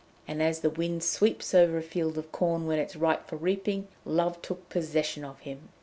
And as the wind sweeps over a field of corn when it is ripe for reaping, love took possession of him.